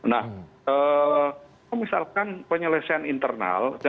nah misalkan penyelesaian internal